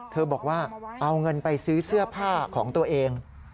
บอกว่าเอาเงินไปซื้อเสื้อผ้าของตัวเอง